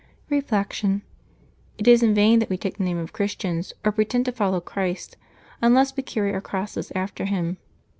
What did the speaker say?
Reflection. — It is in vain that we take the name of Christians, or pretend to follow Christ, unless we carry our crosses after Him.